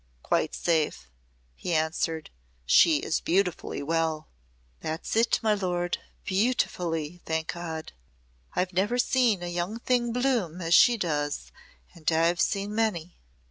"Quite safe," he answered; "she is beautifully well." "That's it, my lord beautifully thank God. I've never seen a young thing bloom as she does and I've seen many."